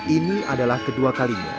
ini adalah kedua kalinya